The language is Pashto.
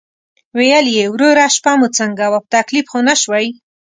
ویل یې: "وروره شپه مو څنګه وه، په تکلیف خو نه شوئ؟"